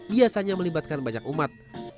biasanya melibatkan banyak umat